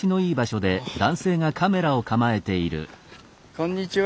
こんにちは。